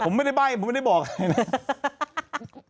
ผมไม่ได้ใบ้ผมไม่ได้บอกอะไรนะ